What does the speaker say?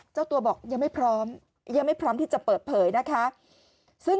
เจ้าตัวบอกยังไม่พร้อมยังไม่พร้อมที่จะเปิดเผยนะคะ